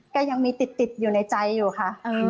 ก็ยังมีติดอยู่ในใจอยู่ค่ะ